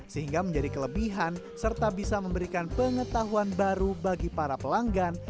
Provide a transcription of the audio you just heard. sehingga menjadi kelebihan serta bisa memberikan pengetahuan baru bagi para pelanggan